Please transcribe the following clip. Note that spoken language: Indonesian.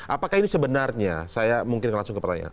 apakah ini sebenarnya saya mungkin langsung ke pertanyaan